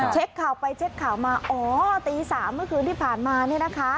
เช็คข่าวไปเช็คข่าวมาอ๋อตี๓เมื่อคืนที่ผ่านมาเนี่ยนะคะ